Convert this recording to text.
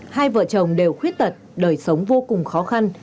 hai vợ chồng đều khuyết tật đời sống vô cùng khó khăn